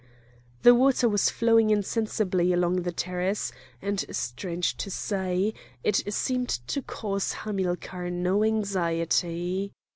The water was flowing insensibly along the terrace, and strange to say, it seemed to cause Hamilcar no anxiety.